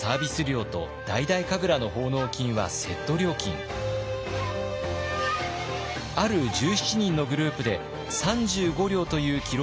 ある１７人のグループで３５両という記録があります。